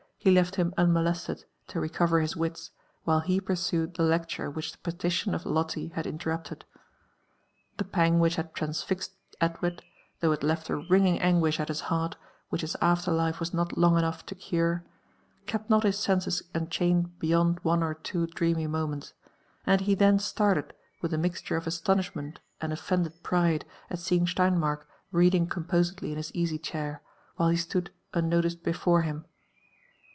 he kfl him unmolested to recover his wtis, while he pursued the lecture which the petition of Lolte had inler rupied.^ The paiig which ban] transfixed Edward, though it left a wringing anguish at his heart which his afler life was not long enough (o cure, kept not his serfses enchained beyond ona or two dreamy mom'*n(s ; and ho then started wilh a mixture of astonishment and olf^nded pride at seeing Sleinmark reading composedly in his easy chair, while he stood unnoticed before hhn.